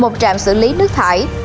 một trạm xử lý nước thải